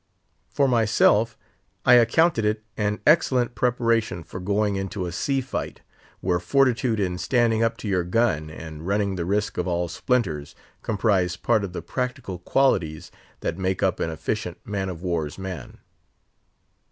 For myself, I accounted it an excellent preparation for going into a sea fight, where fortitude in standing up to your gun and running the risk of all splinters, comprise part of the practical qualities that make up an efficient man of war's man.